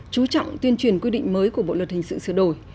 chú trọng tuyên truyền quy định mới của bộ luật hình sự sửa đổi